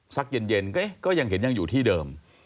เย็นก็ยังเห็นยังอยู่ที่เดิม